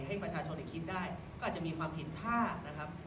ให้ประชาชนคิดได้ก็อาจจะมีความผิดพลาดนะครับ